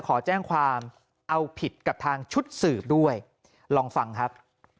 ขอแจ้งความเอาผิดกับทางชุดสืบด้วยลองฟังครับ